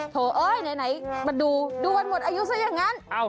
เอ้ยไหนมาดูดูวันหมดอายุซะอย่างนั้น